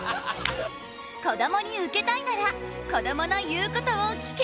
こどもにウケたいならこどもの言うことを聞け！